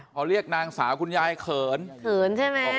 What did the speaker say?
พอเรียกนางสาวคุณยายเขินเขินใช่ไหม